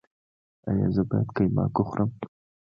ایا زه باید قیماق وخورم؟